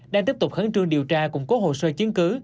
đang tiếp tục khấn trương điều tra cùng cố hồ sơ chiến cứ